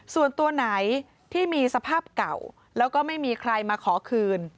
ส่วนตัวไหนที่มีสภาพเก่าแล้วก็ไม่มีใครมาขอคืน